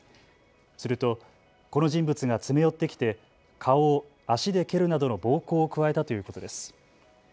するとこの人物が詰め寄ってきて顔を足で蹴るなどの暴行を加えたということです。